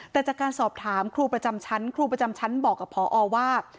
แต่จากการสอบถามครูประจำชั้นครูประจำชั้นบอกกับพอว่า